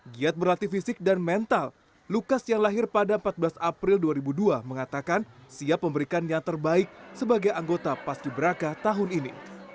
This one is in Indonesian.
giat berlatih fisik dan mental lukas yang lahir pada empat belas april dua ribu dua mengatakan siap memberikan yang terbaik sebagai anggota paski beraka tahun ini